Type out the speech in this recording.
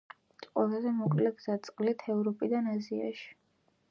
ყველაზე მოკლე გზა წყლით ევროპიდან აზიაში.